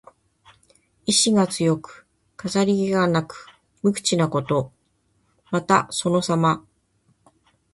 意思が強く、飾り気がなく無口なこと。また、そのさま。